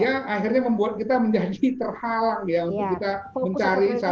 yang akhirnya membuat kita menjadi terhalang ya untuk kita mencari